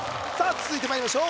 続いてまいりましょう